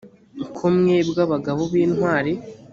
ko mwebwe abagabo b intwari